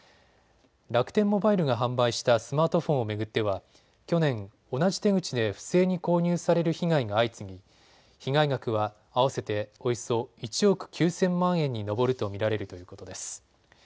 楽天モバイルが販売したスマートフォンを巡っては去年、同じ手口で不正に購入される被害が相次ぎ被害額は合わせておよそ１億９０００万円に上ると見られるということです。